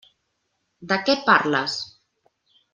De què parles?